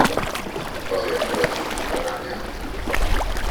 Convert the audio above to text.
Azért őrzi így a lányát.